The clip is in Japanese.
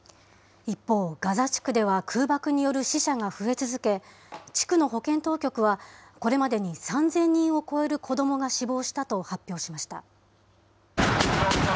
一方、ガザ地区では空爆による死者が増え続け、地区の保健当局はこれまでに３０００人を超える子どもが死亡したと発表しました。